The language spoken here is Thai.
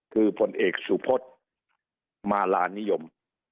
คือผลเอกสุพศมาลานิยม